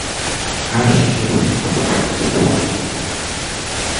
Ашьыжь ауеит қәаԥсатоушәа…